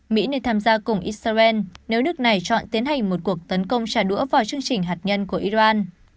mỹ nên tham gia cùng israel nếu nước này chọn tiến hành một cuộc tấn công trả đũa vào chương trình hạt nhân của iran